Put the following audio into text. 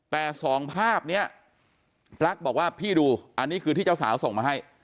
แต่สองภาพนี้ปลั๊กบอกว่าพี่ดูอันนี้คือที่เจ้าสาวส่งมาให้